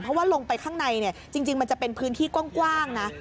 เพราะว่าลงไปข้างในจริงมันจะเป็นพื้นที่กว้างนะ